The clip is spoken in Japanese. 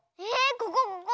ここここ！